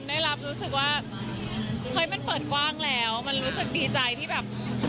ได้รับรู้สึกว่าเฮ้ยมันเปิดกว้างแล้วมันรู้สึกดีใจที่แบบ